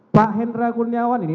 pak hendra kurniawan ini